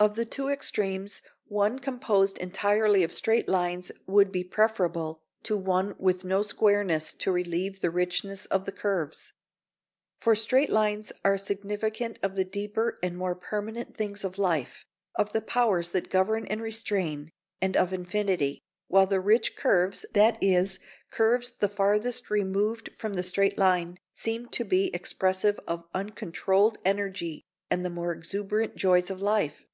Of the two extremes, one composed entirely of straight lines would be preferable to one with no squareness to relieve the richness of the curves. For straight lines are significant of the deeper and more permanent things of life, of the powers that govern and restrain, and of infinity; while the rich curves (that is, curves the farthest removed from the straight line) seem to be expressive of uncontrolled energy and the more exuberant joys of life.